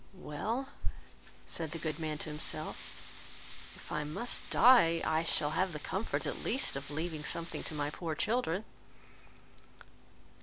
"Well (said the good man to himself) if I must die, I shall have the comfort, at least, of leaving something to my poor children."